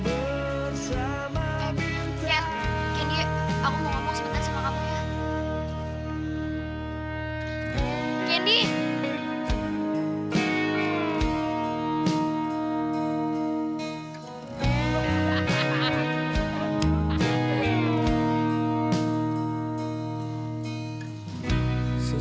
eh ken kenny aku mau ngomong sebentar sama kamu ya